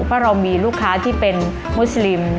เพราะเรามีลูกค้าที่เป็นมุสลิม